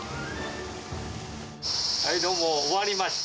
どうも、終わりました。